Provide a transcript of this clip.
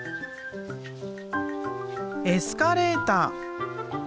エスカレーター。